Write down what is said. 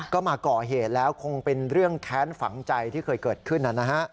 ก็มาก่อเหตุแล้วคงเป็นเรื่องแค้นฝังใจที่เคยเกิดขึ้น